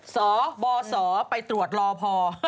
สบสไปตรวจรอพอ